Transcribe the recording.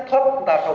hiện tại điều gì